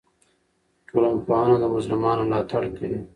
ټولنپوهنه د مظلومانو ملاتړ کوي.